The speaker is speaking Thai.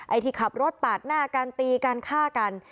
ที่ขับรถปาดหน้าการตีกันฆ่ากัน